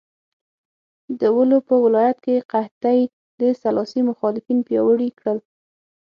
د ولو په ولایت کې قحطۍ د سلاسي مخالفین پیاوړي کړل.